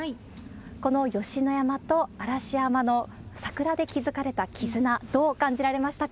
この吉野山と嵐山の桜で築かれた絆、どう感じられましたか？